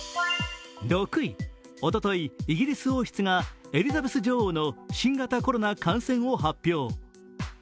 ６位、おととい、イギリス王室がエリザベス女王の新型コロナ感染を発表。